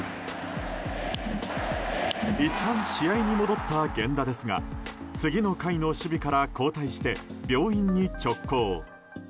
いったん試合に戻った源田ですが次の回の守備から交代して病院に直行。